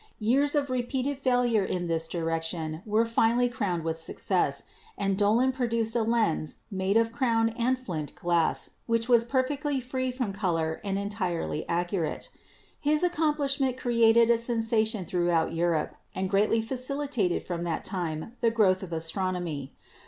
Years of repeated failure in this direc tion were finally crowned with success, and Dolland pro duced a lens made of crown and flint glass which was perfectly free from color and entirely accurate. His accomplishment created a sensation throughout Europe and greatly facilitated from that time the growth of as tronomy.